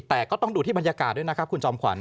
แต่ก็ต้องดูที่บรรยากาศด้วยนะครับคุณจอมขวัญ